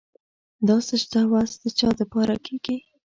دا سجده وس د چا دپاره کيږي